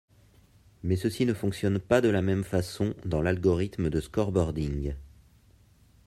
Mais ceux-ci ne fonctionnent pas de la même façon dans l'algorithme de scoreboarding.